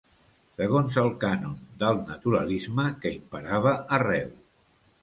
Segons el cànon del naturalisme que imperava arreu